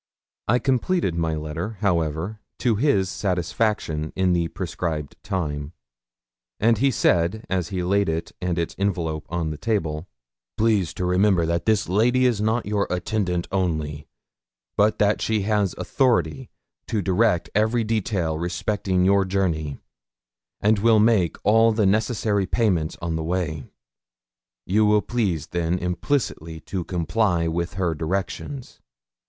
I completed my letter, however, to his satisfaction in the prescribed time; and he said, as he laid it and its envelope on the table 'Please to remember that this lady is not your attendant only, but that she has authority to direct every detail respecting your journey, and will make all the necessary payments on the way. You will please, then, implicitly to comply with her directions.